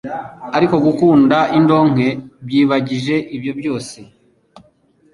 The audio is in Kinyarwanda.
ariko gukunda indonke byibagije ibyo byose.